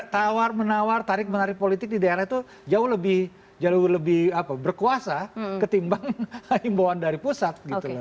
tawar menawar tarik menarik politik di daerah itu jauh lebih berkuasa ketimbang himbauan dari pusat gitu loh